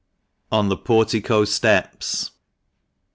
ON THE PORTICO STEPS.